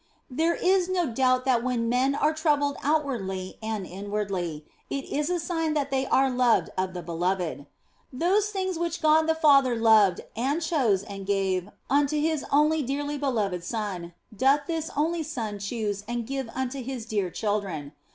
There is no doubt that when men are troubled out wardly and inwardly, it is a sign that they are loved of the Beloved. Those things which God the Father loved and chose and gave unto His only dearly beloved Son, doth this only Son choose and give unto His dear children.